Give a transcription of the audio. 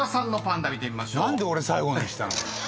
何で俺最後にしたの？